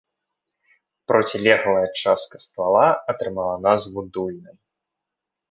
Процілеглая частка ствала атрымала назву дульнай.